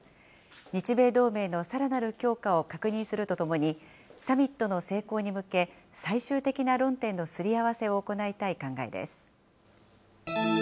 日米同盟のさらなる強化を確認するとともに、サミットの成功に向け、最終的な論点のすり合わせを行いたい考えです。